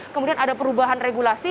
kemudian ada perubahan regulasi